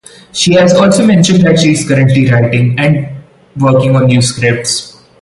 She has also mentioned that she is currently writing and working on new scripts.